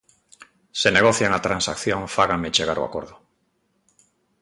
Se negocian a transacción fáganme chegar o acordo.